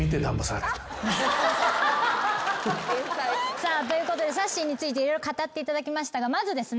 さあということでさっしーについて色々語っていただきましたがまずですね。